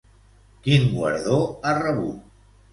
Quin guardó ha rebut?